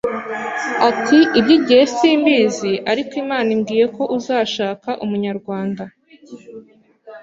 Ati iby’igihe simbizi ariko Imana imbwiye ko uzashaka umunyarwanda